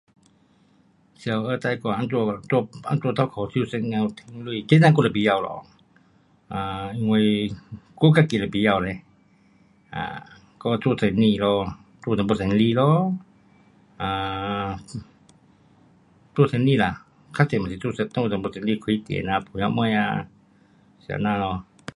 想我最大怎样，怎样倒脚手妇女赚钱，这样我就不晓咯。啊，因为我自己都不晓嘞，啊，我做生意咯，做一点生意咯，啊，做生意啦，较多也是做，做一点生意，开店做生意，开什么啊，这样咯。